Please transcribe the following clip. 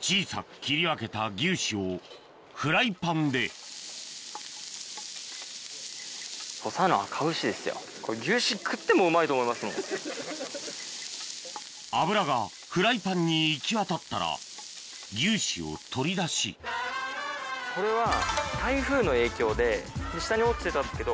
小さく切り分けた牛脂をフライパンで脂がフライパンに行きわたったら牛脂を取り出しこれは台風の影響で下に落ちてたんですけど